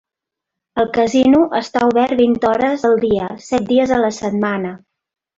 El casino està obert vint hores al dia, set dies a la setmana.